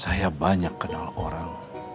saya banyak kenal orang